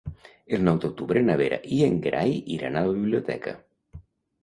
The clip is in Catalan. El nou d'octubre na Vera i en Gerai iran a la biblioteca.